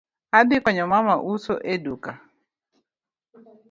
Adhi konyo mama uso e duka